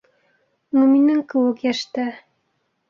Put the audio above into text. Ну минең кеүек йәштә.